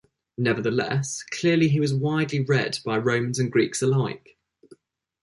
Nevertheless, clearly he was widely read by Romans and Greeks alike.